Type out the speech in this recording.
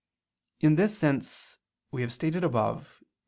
In this sense we have stated above (Q.